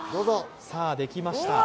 できました。